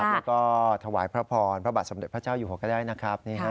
แล้วก็ถวายพระพรพระบาทสมเด็จพระเจ้าอยู่หัวก็ได้นะครับ